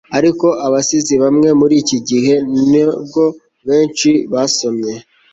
ariko abasizi bamwe muri iki gihe, nubwo benshi basomwe